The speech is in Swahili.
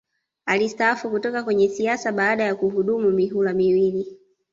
Alistaafu kutoka kwenye siasa baada ya kuhudumu mihula miwili